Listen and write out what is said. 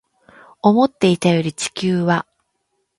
思っていたより地球は